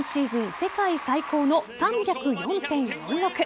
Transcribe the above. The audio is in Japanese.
世界最高の３０４．４６。